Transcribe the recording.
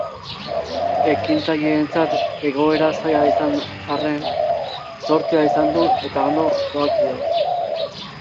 Ekintzaileentzat egoera zaila izan arren, zortea izan du eta ondo doakio.